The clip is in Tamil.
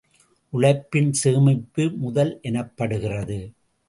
உழைப்பின் சேமிப்பு முதல் எனப்படுகிறது.